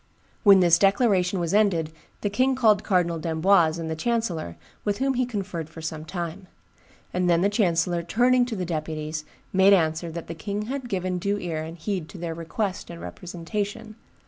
"When this declaration was ended, the king called Cardinal d'Amboise and the chancellor, with whom he conferred for some time; and then the chancellor, turning to the deputies, made answer that the king had given due ear and heed to their request and representation